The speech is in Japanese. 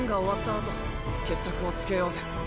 あと決着をつけようぜ。